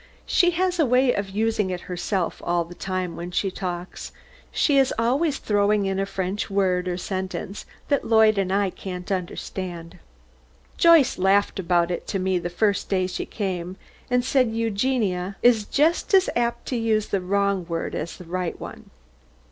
She has a way of using it herself all the time when she talks. She is always throwing in a French word or sentence that Lloyd and I can't understand. Joyce laughed about it to me the first day she came, and said Eugenia is just as apt to use the wrong word as the right one.